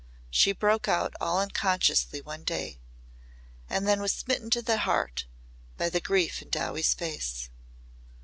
she broke out all unconsciously one day. And then was smitten to the heart by the grief in Dowie's face.